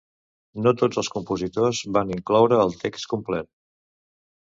No tots els compositors van incloure el text complet.